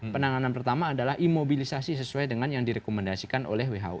penanganan pertama adalah imobilisasi sesuai dengan yang direkomendasikan oleh who